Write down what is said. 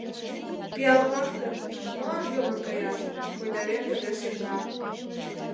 — Пиаллан гын, молан йомын каяш? — койдарен йодеш Йыгнат.